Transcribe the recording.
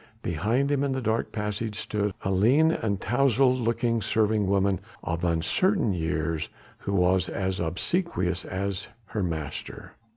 Behind him in the dark passage stood a lean and towzled looking serving woman of uncertain years who was as obsequious as her master.